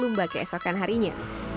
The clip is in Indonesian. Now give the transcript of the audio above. lumbawin keesokan harinya